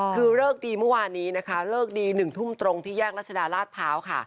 คือเลิกดีเมื่อวานนี้นะคะเลิกดี๑ทุ่มตรงที่แยกรัชดาราชพร้าวค่ะ